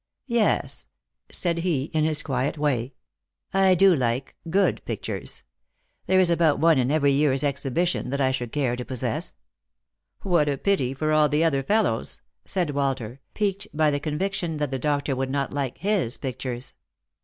" Yes," he said, in his quiet way, " I do like — good pictures. There is about one in every year's exhibition that I should care to possess." " What a pity for all the other fellows !" said Walter, piqued by the conviction that the doctor would not like his pictures.